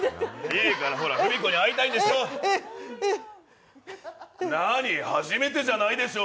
いいから、ほら、ふみこに会いたいでしょ！